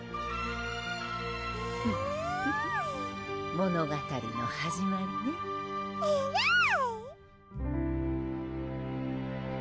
物語の始まりねえるぅ！